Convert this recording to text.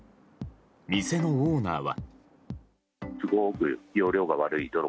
店のオーナーは。